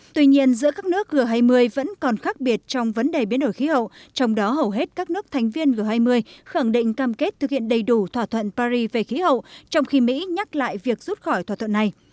tuy nhiên giữa các nước g hai mươi vẫn còn khác biệt trong vấn đề biến đổi khí hậu trong đó hầu hết các nước thành viên g hai mươi khẳng định cam kết thực hiện đầy đủ thỏa thuận paris về khí hậu trong khi mỹ nhắc lại việc rút khỏi thỏa thuận này